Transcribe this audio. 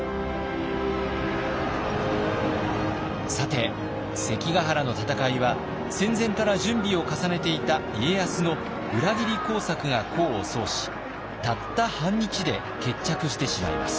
さて関ヶ原の戦いは戦前から準備を重ねていた家康の裏切り工作が功を奏したった半日で決着してしまいます。